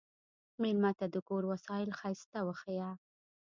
مېلمه ته د کور وسایل ښايسته وښیه.